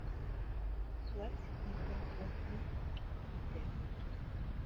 Soit ; n’y pensons plus ! dit-elle.